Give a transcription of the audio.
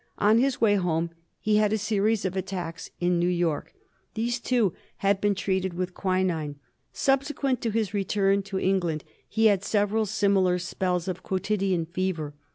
On his way home he had a series of attacks in New York ; these, too, had been treated with quinine. Subsequent to his return to England he had several similar spells of quo tidian fever.